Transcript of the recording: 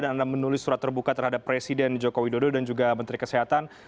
dan anda menulis surat terbuka terhadap presiden joko widodo dan juga menteri kesehatan